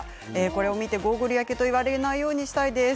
これを見てゴーグル焼けと言われないようにしたいです。